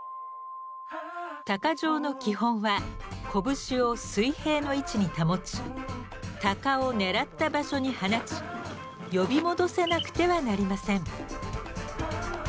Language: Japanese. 鷹匠の基本は拳を水平の位置に保ち鷹を狙った場所に放ち呼び戻せなくてはなりません。